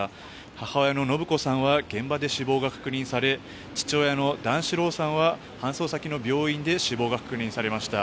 母親の延子さんは現場で死亡が確認され父親の段四郎さんは搬送先の病院で死亡が確認されました。